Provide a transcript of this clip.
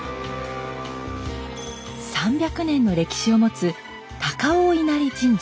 ３００年の歴史を持つ高尾稲荷神社。